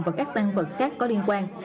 và các tăng vật khác có liên quan